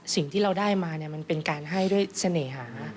สิ่งที่เราได้มามันเป็นการให้ด้วยเสน่หา